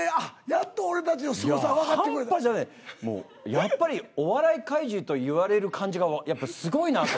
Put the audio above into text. やっぱりお笑い怪獣と言われる感じがやっぱすごいなと。